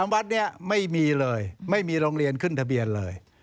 วัดนี้ไม่มีเลยไม่มีโรงเรียนขึ้นทะเบียนเลย